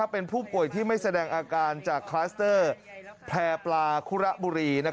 เป็นผู้ป่วยที่ไม่แสดงอาการจากคลัสเตอร์แพร่ปลาคุระบุรี